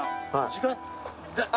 時間。